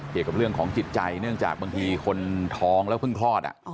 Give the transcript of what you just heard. เกี่ยวกับเรื่องของจิตใจเนื่องจากบางทีคนท้องแล้วเพิ่งคลอด